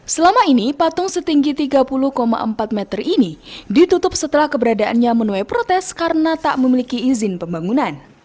selama ini patung setinggi tiga puluh empat meter ini ditutup setelah keberadaannya menuai protes karena tak memiliki izin pembangunan